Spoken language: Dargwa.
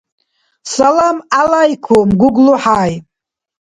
Салам гӀялайкум, ГуглахӀяй!